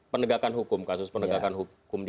penegakan hukum kasus penegakan hukum di